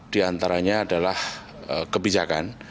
di antaranya adalah kebijakan